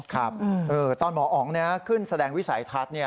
ครับตอนหมออ๋องขึ้นแสดงวิสัยทัศน์